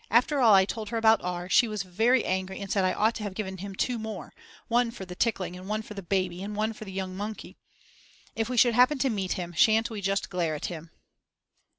After all I told her about R. She was very angry and said I ought to have given him 2 more; one for the tickling and one for the "baby" and one for the "young monkey." If we should happen to meet him, shan't we just glare at him.